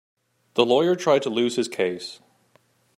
The lawyer tried to lose his case.